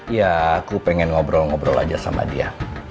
ya aku pengen ngobrol ngobrol aja sama dia